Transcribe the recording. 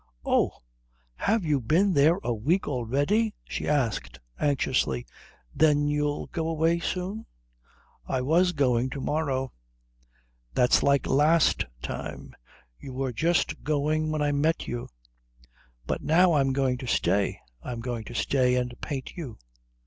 "Oh, have you been there a week already?" she asked anxiously. "Then you'll go away soon?" "I was going to morrow." "That's like last time. You were just going when I met you." "But now I'm going to stay. I'm going to stay and paint you."